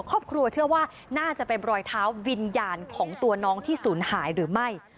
ครอบครัวเชื่อว่าน่าจะเป็นรอยเท้าวิญญาณของตัวน้องที่ศูนย์หายหรือไม่